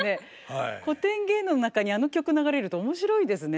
古典芸能の中にあの曲流れると面白いですね。